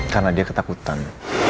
karena dia ketakutan